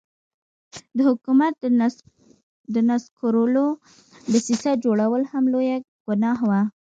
د حکومت د نسکورولو دسیسه جوړول هم لویه ګناه وه.